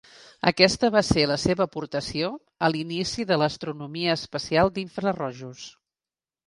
Aquesta va ésser la seva aportació a l'inici de l'astronomia espacial d'infrarojos.